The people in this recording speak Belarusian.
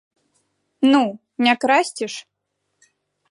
Ну, не красці ж?!